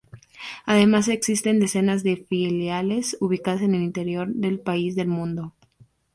Además existen decenas de filiales ubicadas en el interior del país y el mundo.